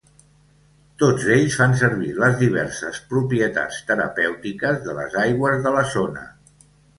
Tots ells fan servir les diverses propietats terapèutiques de les aigües de la zona.